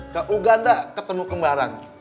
ke uganda ketemu kembaran